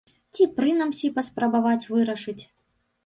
Ці, прынамсі, паспрабаваць вырашыць.